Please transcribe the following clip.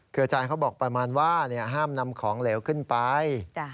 คืออาจารย์เขาบอกประมาณว่าห้ามนำของเหลวขึ้นไป